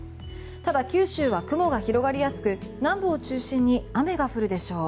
ただ、九州は雲が広がりやすく南部を中心に雨が降るでしょう。